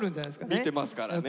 見てますからね。